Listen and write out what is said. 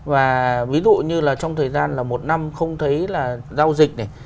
và ví dụ như là trong thời gian là một năm không thấy là giao dịch này